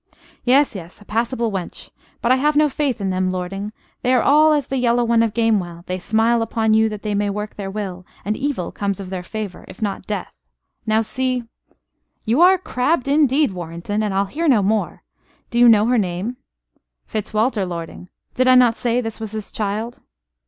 "Yes, yes, a passable wench. But I have no faith in them, lording. They are all as the Yellow One of Gamewell. They smile upon you that they may work their will; and evil comes of their favor, if not death. Now see " "You are crabbed, indeed, Warrenton; and I'll hear no more. Do you know her name?" "Fitzwalter, lording. Did I not say this was his child?"